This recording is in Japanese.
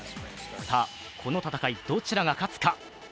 さあ、この戦いどちらが勝つか？